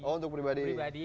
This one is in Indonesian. oh untuk pribadi